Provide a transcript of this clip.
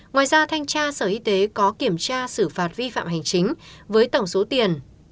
ngoài ra thanh tra sở y tế có kiểm tra xử phạt vi phạm hành chính với tổng số tiền